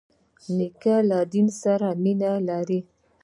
نیکه له دین سره مینه لري.